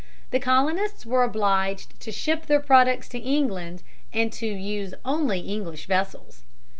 The colonists were obliged to ship their products to England and to use only English vessels.